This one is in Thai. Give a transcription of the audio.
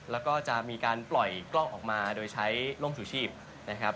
แล้วก็จะมีการปล่อยกล้องออกมาโดยใช้ร่มชูชีพนะครับ